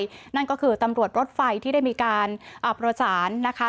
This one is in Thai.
อยู่บนรถไฟนั่นก็คือตำรวจรถไฟที่ได้มีการอ่าประสานนะคะ